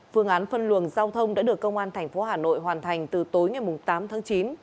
phương án phân luồng giao thông đã được công an thành phố hà nội hoàn thành từ tối ngày tám tháng chín